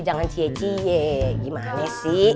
jangan cie ciye gimana sih